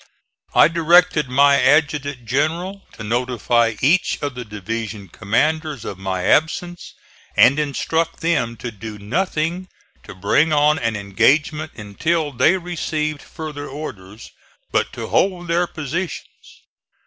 I directed my adjutant general to notify each of the division commanders of my absence and instruct them to do nothing to bring on an engagement until they received further orders, but to hold their positions.